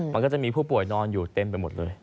มันก็จะมีผู้ป่วยนอนอยู่เต็มไปหมดเลย